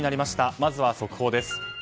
まずは速報です。